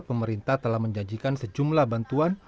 pemerintah telah menjanjikan sejumlah bantuan